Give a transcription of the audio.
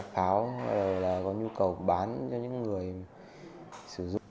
pháo là có nhu cầu bán cho những người sử dụng